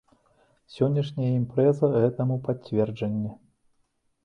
Сённяшняя імпрэза гэтаму пацверджанне.